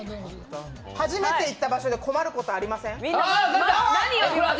初めて行った場所で困ることありません？